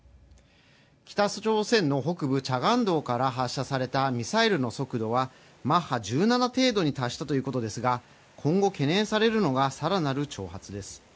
北朝鮮の北部、チャガンドから発射されたミサイルの速度はマッハ１７程度に達したということですが今後、懸念されるのが更なる挑発です。